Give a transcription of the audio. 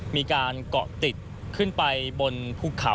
มีการเกาะติดขึ้นไปบนภูเขา